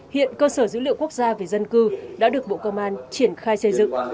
hiện cơ sở dữ liệu quốc gia về dân cư đã được bộ cơ man triển khai xây dựng